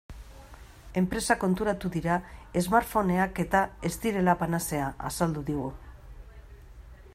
Enpresak konturatu dira smartphoneak-eta ez direla panazea, azaldu digu.